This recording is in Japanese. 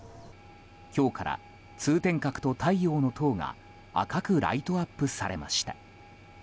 今日から通天閣と太陽の塔が赤くライトアップされました。